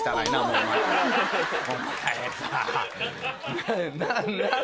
お前さ。